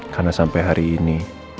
karena sampai hari ini